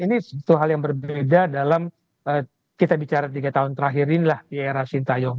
ini hal yang berbeda dalam kita bicara tiga tahun terakhir inilah di era sintayong